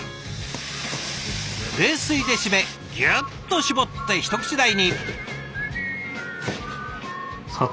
冷水で締めギュッと絞って一口大に。